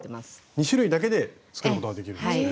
２種類だけで作ることができるんですね。